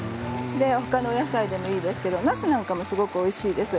ほかの野菜でもいいですけどなすなんかもすごくおいしいです。